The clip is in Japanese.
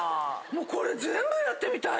これ全部やってみたい。